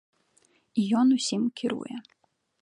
І ён усім кіруе.